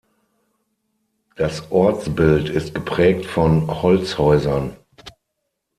Das Ortsbild ist geprägt von Holzhäusern.